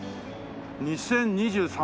２０２３。